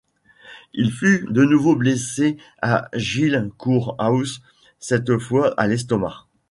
Il fut de nouveau blessé à Giles Cour House, cette fois à l'estomac.